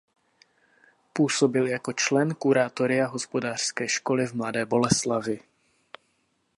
Působil jako člen kuratoria hospodářské školy v Mladé Boleslavi.